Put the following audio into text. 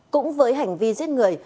cũng với hành vi giết người